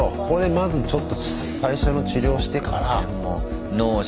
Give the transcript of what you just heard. ここでまずちょっと最初の治療してから。